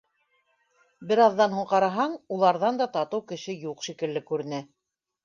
Бер аҙҙан һуң ҡараһаң, уларҙан да татыу кеше юҡ шикелле күренә.